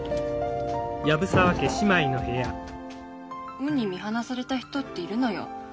運に見放された人っているのよ。